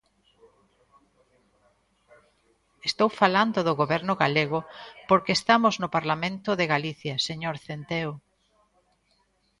Estou falando do Goberno galego porque estamos no Parlamento de Galicia, señor Centeo.